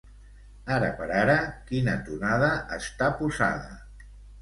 Ara per ara, quina tonada està posada?